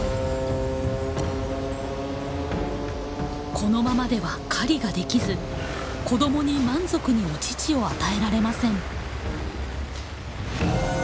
このままでは狩りができず子どもに満足にお乳を与えられません。